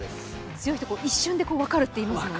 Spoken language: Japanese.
強い人は一瞬で分かるっていいますもんね。